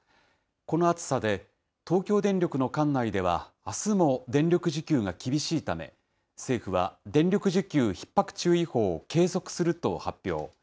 この暑さで、東京電力の管内では、あすも電力需給が厳しいため、政府は、電力需給ひっ迫注意報を継続すると発表。